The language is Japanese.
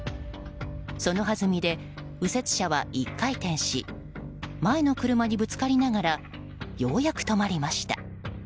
そのはずみで右折車は１回転し前の車にぶつかりながらようやく止まりました。